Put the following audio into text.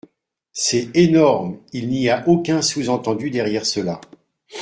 C’est énorme ! Il n’y a aucun sous-entendu derrière cela.